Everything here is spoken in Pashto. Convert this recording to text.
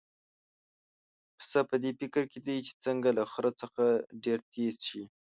پسه په دې فکر کې دی چې څنګه له خره څخه ډېر تېز شي.